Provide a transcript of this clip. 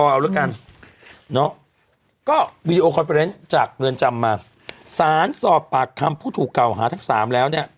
เอาแล้วกันเนอะก็จากเงินจำมาสารสอบปากคำผู้ถูกเก่าหาทั้งสามแล้วเนี้ย